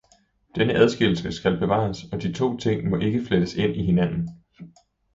Denne adskillelse skal bevares, og de to ting må ikke flettes ind i hinanden.